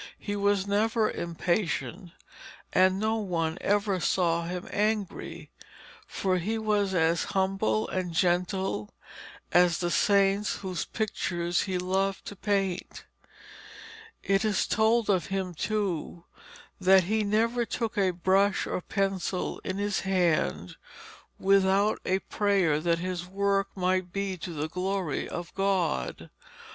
He was never impatient, and no one ever saw him angry, for he was as humble and gentle as the saints whose pictures he loved to paint. It is told of him, too, that he never took a brush or pencil in his hand without a prayer that his work might be to the glory of God.